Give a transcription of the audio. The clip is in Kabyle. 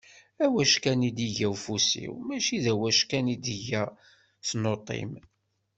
Awackan i d-yegga ufus-im, mačči aweckan i d-tegga tnuḍt-im.